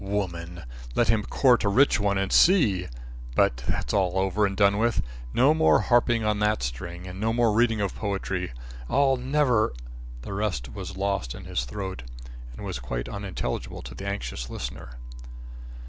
Woman! Let him court a rich one and see but that's all over and done with. No more harping on that string, and no more reading of poetry. I'll never, " The rest was lost in his throat and was quite unintelligible to the anxious listener.